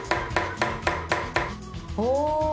お。